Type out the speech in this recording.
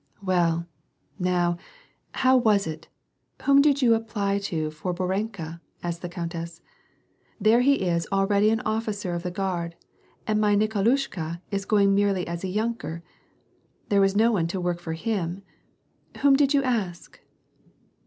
"Well, now, how was it, — whom did you apply to for Borenka," asked the countess. "There he is already an oflBcer of the Guard, and my Nikolushka is going merely as ayunker. There was no one to work for him. Whom did you ask